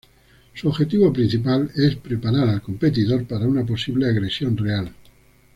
Su objetivo principal es preparar al competidor para una posible agresión real.